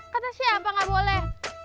kata siapa gak boleh